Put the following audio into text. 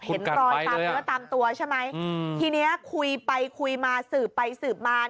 เห็นรอยตามเนื้อตามตัวใช่ไหมทีนี้คุยไปคุยมาสืบไปสืบมา